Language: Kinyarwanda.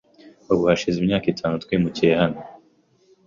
Ubu hashize imyaka itanu twimukiye hano.